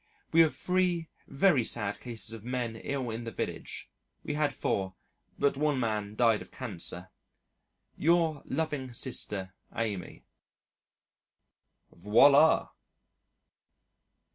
We have 3 very sad cases of men ill in the village. We had 4 but one man died of cancer. "Yr loving Sister Amy." Voilà!